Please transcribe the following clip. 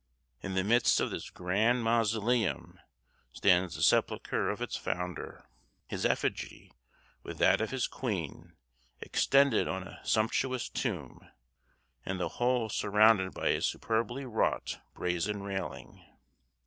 In the midst of this grand mausoleum stands the sepulchre of its founder his effigy, with that of his queen, extended on a sumptuous tomb and the whole surrounded by a superbly wrought brazen railing.